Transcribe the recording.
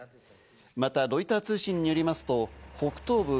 またロイター通信によりますと北東部